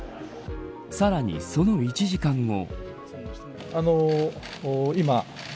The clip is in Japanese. さらにその１時間後。